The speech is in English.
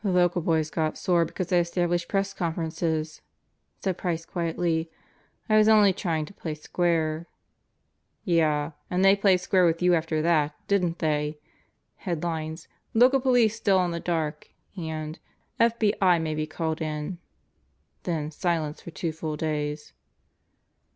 "The local boys got sore because I established Press Confer ences," said Price quietly. "I was only trying to play square " "Yeah, and they played square with you after that, didn't they? Headlines: 'Local Police Still in the Dark 9 and 'FBI May Be Called In.' Then silence for two full days."